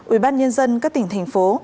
ubnd các tỉnh thành phố